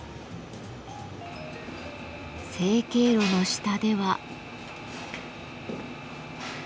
成形炉の下では。